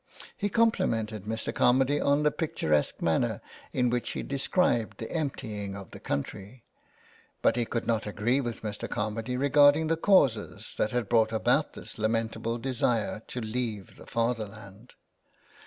He complimented Mr. Carmady on the picturesque manner in which he described the empty ing of the country, but he could not agree with Mr. Carmady regarding the causes that had brought about this lamentable desire to leave the fatherland.